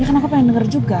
ya kan aku pengen denger juga